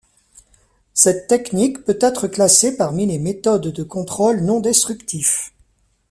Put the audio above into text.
Cette technique peut être classée parmi les méthodes de contrôle non destructif.